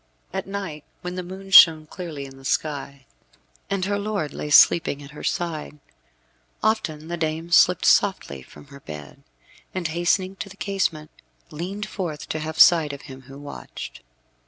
At night, when the moon shone clearly in the sky, and her lord lay sleeping at her side, often the dame slipped softly from her bed, and hastening to the casement, leaned forth to have sight of him who watched.